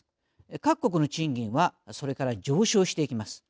各国の賃金はそれから上昇していきます。